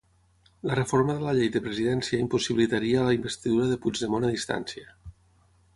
La reforma de la llei de presidència impossibilitaria la investidura de Puigdemont a distància